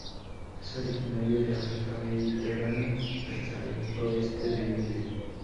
Es originario de África, Mediterráneo hasta el oeste de India.